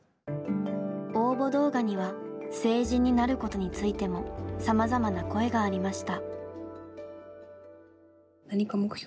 応募動画には成人になることについてもさまざまな声がありました。